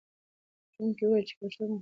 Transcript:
ښوونکي وویل چې پښتو مهمه ده.